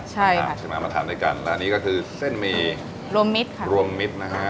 ใช่ค่ะมาถามด้วยกันและนี่ก็คือเส้นมีรวมมิดค่ะรวมมิดนะฮะ